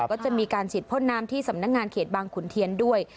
ก็จะมีการฉีดพ่นน้ำที่สำนักงานเขตบางขุนเทียนด้วย